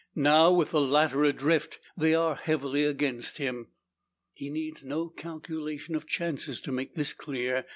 Now, with the latter adrift, they are heavily against him. It needs no calculation of chances to make this clear.